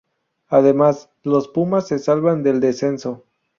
Además, los pumas se salvan del descenso.